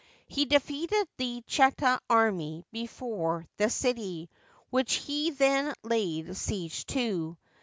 He defeated the Cheta army before the city, which he then laid siege to.